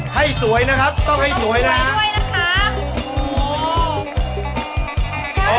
ให้สวยนะครับต้องให้สวยนะครับ